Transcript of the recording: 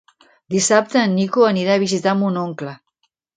Dissabte en Nico anirà a visitar mon oncle.